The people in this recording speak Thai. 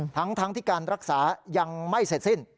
ทั้งที่การรักษายังไม่เสร็จสิ้น